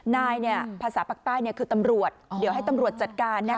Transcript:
นายเนี่ยภาษาปากใต้คือตำรวจเดี๋ยวให้ตำรวจจัดการนะ